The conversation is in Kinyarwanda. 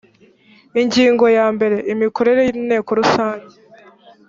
ingingo ya mbere imikorere y inteko rusange